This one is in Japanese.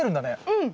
うん。